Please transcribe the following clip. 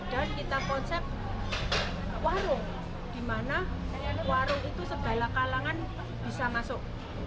dan kita konsep warung di mana warung itu segala kalangan bisa masuk